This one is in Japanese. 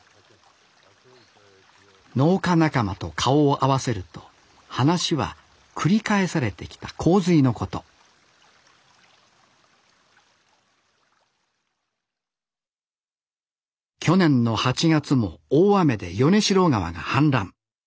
農家仲間と顔を合わせると話は繰り返されてきた洪水のこと去年の８月も大雨で米代川が氾濫。